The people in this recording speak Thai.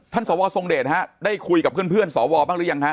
ท่านสวสงเด็จฮะได้คุยกับเพื่อนสวบ้างรึยังฮะ